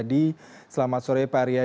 dian firmansyah purwakarta